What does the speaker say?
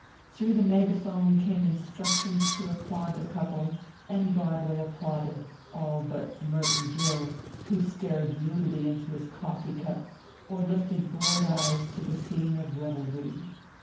Through the megaphone came instructions to applaud the couple, and Broadway applauded all but Merton Gill, who stared moodily into his coffee cup or lifted bored eyes to the scene of revelry.